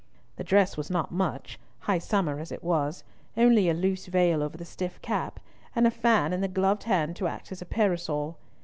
The dress was not much, high summer as it was, only a loose veil over the stiff cap, and a fan in the gloved hand to act as parasol.